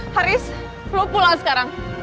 haris lu pulang sekarang